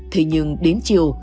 thế nhưng đến chiều